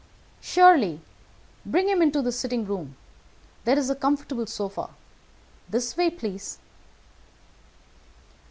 "Surely. Bring him into the sitting room. There is a comfortable sofa. This way, please."